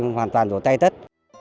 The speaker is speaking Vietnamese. hoàn toàn rổ tay tất